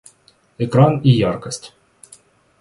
Экран и яркость